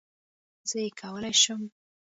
زه یې کولای شم